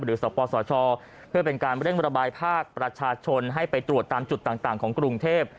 สปสชเพื่อเป็นการเร่งระบายภาคประชาชนให้ไปตรวจตามจุดต่างของกรุงเทพ